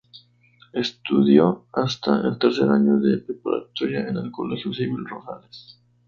Estudió hasta el tercer año de preparatoria en el Colegio Civil Rosales.